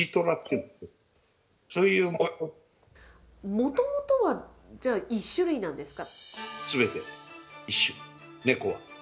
もともとはじゃあ１種類なんですか？